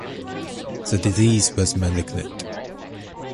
The disease was malignant.